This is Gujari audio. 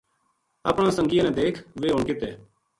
اپنا سنگیاں نا دیکھ ویہ ہُن کت ہے